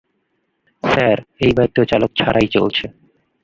Sir, এই bike তো চালক ছাড়াই চলছে!